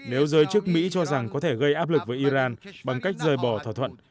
nếu giới chức mỹ cho rằng có thể gây áp lực với iran bằng cách rời bỏ thỏa thuận